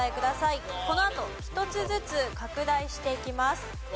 このあと１つずつ拡大していきます。